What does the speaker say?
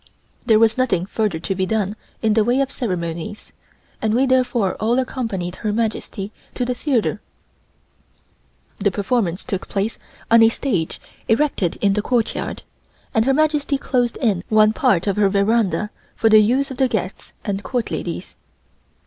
There was nothing further to be done in the way of ceremonies, and we therefore all accompanied Her Majesty to the theatre. The performance took place on a stage erected in the courtyard, and Her Majesty closed in one part of her veranda for the use of the guests and Court ladies.